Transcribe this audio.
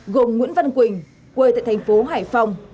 gồm nguyễn văn quỳnh quê tại thành phố hải phòng